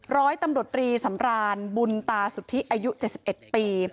ร้อยตำรวจรีสำรานบุญตาสุทธิอายุ๗๑ปี